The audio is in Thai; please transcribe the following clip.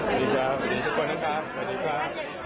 กลิ่นไปได้นะครับกลิ่นไปได้